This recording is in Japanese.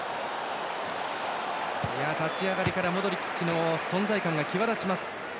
立ち上がりからモドリッチの存在感が際立ちます。